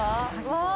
わあ！